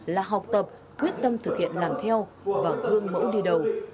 là học tập quyết tâm thực hiện làm theo và gương mẫu đi đầu